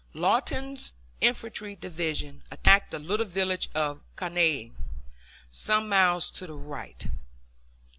Lawton's infantry division attacked the little village of El Caney, some miles to the right.